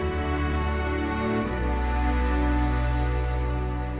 jangan hours dipamung dengan orang orang